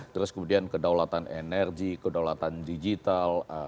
terus kemudian kedaulatan energi kedaulatan digital